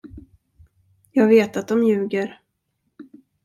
Jag vet att de ljuger.